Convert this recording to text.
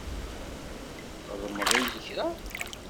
Txedmeḍ-iyi kra?